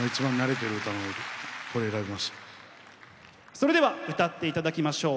それでは歌って頂きましょう。